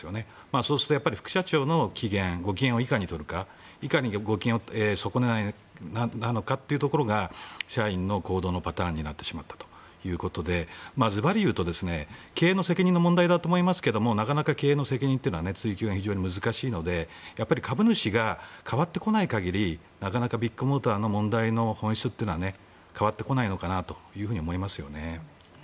そうすると副社長のご機嫌をいかにとるかいかにご機嫌を損ねないかというのが社員の行動パターンになったということでずばり言うと経営の責任の問題だと思いますがなかなか経営の責任というのは追及が難しいので株主が代わってこない限りなかなかビッグモーターの問題の本質は変わってこないのかなと思いますね。